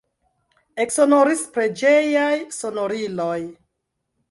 Eksonoris preĝejaj sonoriloj.